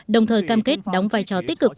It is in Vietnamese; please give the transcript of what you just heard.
đồng thời cam kết đóng vai trò tích cực